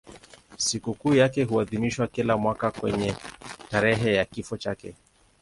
Sikukuu yake huadhimishwa kila mwaka kwenye tarehe ya kifo chake.